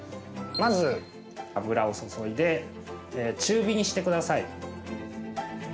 まず油を注いで中火にしてください。